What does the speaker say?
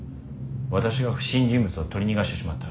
私が不審人物を取り逃がしてしまった。